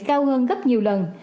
cao hơn gấp nhiều lần